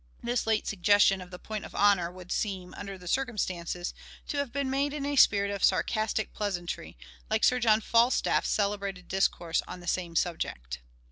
" (This late suggestion of the point of honor would seem, under the circumstances, to have been made in a spirit of sarcastic pleasantry, like Sir John Falstaff's celebrated discourse on the same subject.)